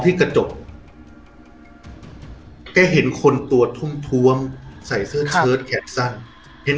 ที่กระจกแกเห็นคนตัวทุ่มท้วมใส่เสื้อเชิดแขนสั้นเห็น